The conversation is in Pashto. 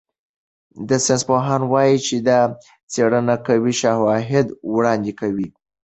ساینسپوهان وايي چې دا څېړنه قوي شواهد وړاندې کوي.